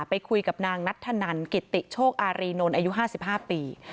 ไปคุยกับนางนัทธนันกิติโชคอารีนนท์อายุ๕๕ปี